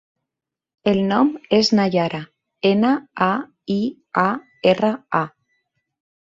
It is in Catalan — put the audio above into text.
El nom és Naiara: ena, a, i, a, erra, a.